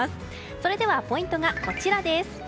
それではポイントがこちらです。